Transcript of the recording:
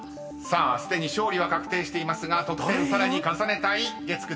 すでに勝利は確定していますが得点さらに重ねたい月９チーム］